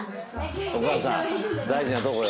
お母さん大事なとこよ。